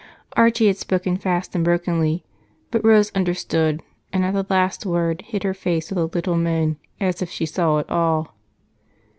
Archie had spoken fast and brokenly but Rose understood and at the last word hid her face with a little moan, as if she saw it all.